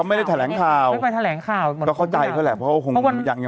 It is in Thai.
ไม่ดูแววตาหน่อย